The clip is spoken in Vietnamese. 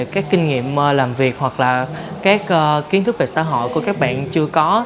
các kinh nghiệm làm việc hoặc là các kiến thức về xã hội của các bạn chưa có